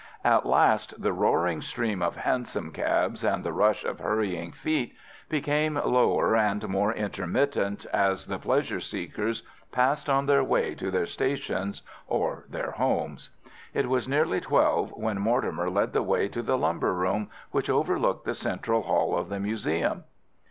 At last the roaring stream of hansom cabs and the rush of hurrying feet became lower and more intermittent as the pleasure seekers passed on their way to their stations or their homes. It was nearly twelve when Mortimer led the way to the lumber room which overlooked the central hall of the museum.